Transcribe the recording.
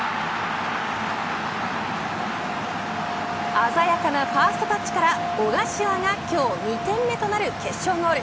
鮮やかなファーストタッチから小柏が今日２点目となる決勝ゴール。